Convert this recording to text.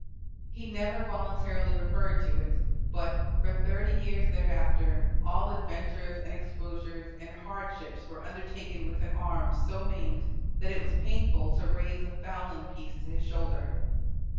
He never voluntarily referred to it; but "for thirty years thereafter, all adventures and exposures and hardships were undertaken with an arm so maimed that it was painful to raise a fowling piece to his shoulder."